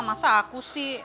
masa aku sih